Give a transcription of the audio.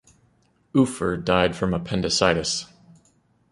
Ufer died from appendicitis.